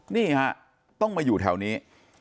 นี่ฮะต้องมาอยู่แถวนี้